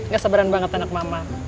gak seberan banget anak mama